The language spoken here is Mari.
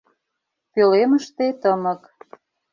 Пӧлемыште — тымык.